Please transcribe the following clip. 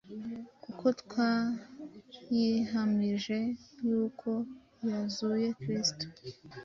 kuko twayihamije yuko yazuye kristo,